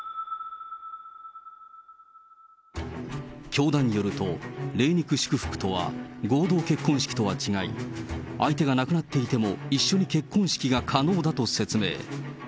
教団によると、霊肉祝福とは、合同結婚式とは違い、相手が亡くなっていても一緒に結婚式が可能だと説明。